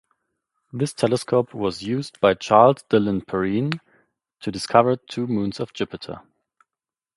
This telescope was used by Charles Dillon Perrine to discover two moons of Jupiter.